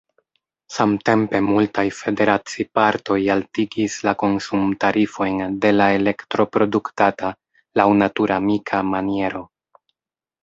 Samtempe multaj federacipartoj altigis la konsumtarifojn de la elektro produktata laŭ naturamika maniero.